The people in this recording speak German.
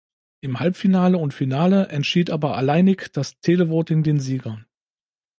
Im Halbfinale und Finale entschied aber alleinig das Televoting den Sieger.